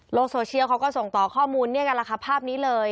โซเชียลเขาก็ส่งต่อข้อมูลเนี่ยกันล่ะค่ะภาพนี้เลย